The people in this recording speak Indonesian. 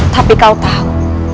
tapi kau tahu